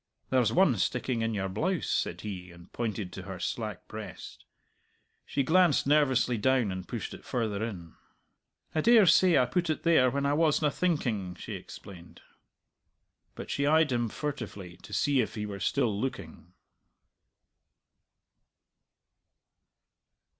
"There's one sticking in your blouse," said he, and pointed to her slack breast. She glanced nervously down and pushed it farther in. "I dare say I put it there when I wasna thinking," she explained. But she eyed him furtively to see if he were still looking.